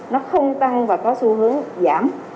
nó không tăng và có xu hướng giảm